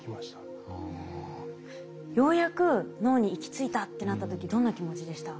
ようやく脳に行き着いたってなった時どんな気持ちでした？